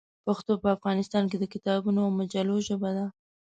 پښتو په افغانستان کې د کتابونو او مجلو ژبه ده.